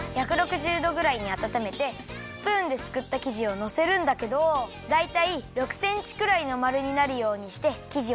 １６０どぐらいにあたためてスプーンですくったきじをのせるんだけどだいたい６センチくらいのまるになるようにしてきじをやくよ。